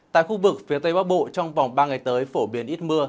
tại khu vực phía tây bắc bộ trong vòng ba ngày tới phổ biến ít mưa